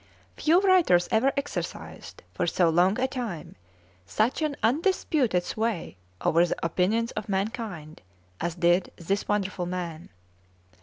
Few writers ever exercised for so long a time such an undisputed sway over the opinions of mankind as did this wonderful man.